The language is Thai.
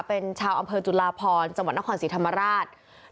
เป็นชาวอำเภอจุลาพรจังหวัดนครศรีธรรมราช